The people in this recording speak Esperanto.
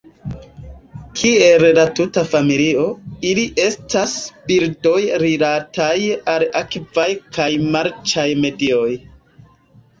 Kiel la tuta familio, ili estas birdoj rilataj al akvaj kaj marĉaj medioj.